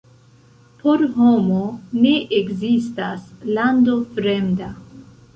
Por homo ne ekzistas lando fremda.